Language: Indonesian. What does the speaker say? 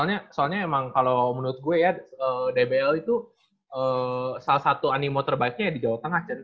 soalnya soalnya emang kalau menurut gue ya dbl itu salah satu animo terbaiknya ya di jawa tengah